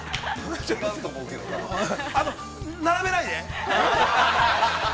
あの、並べないで！